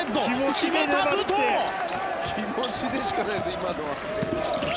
気持ちでしかないですね。